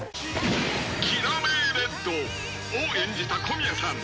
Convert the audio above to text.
［キラメイレッドを演じた小宮さん］